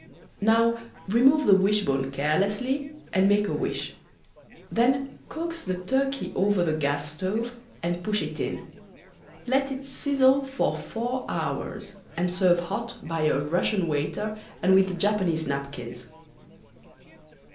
Now remove the wishbone carelessly and make a wish. Then coax the turkey over to the gas stove and push it in. Let it sizzle for four hours and serve hot by a Russian waiter and with Japanese napkins.